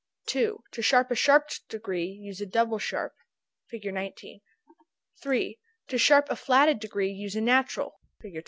2. To sharp a sharped degree, use a double sharp. Fig. 19. 3. To sharp a flatted degree, use a natural. Fig.